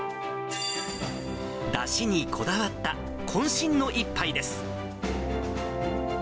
だしにこだわったこん身の一杯です。